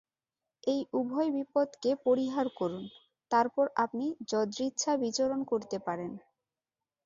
এই উভয় বিপদকে পরিহার করুন, তারপর আপনি যদৃচ্ছা বিচরণ করিতে পারেন।